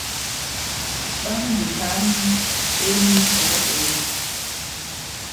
Ɗáŋ ŋgekaa nín héé nín fɔrɔ ɗɔɔ́ yi.